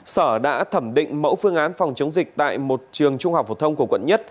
sở đã thẩm định mẫu phương án phòng chống dịch tại một trường trung học phổ thông của quận một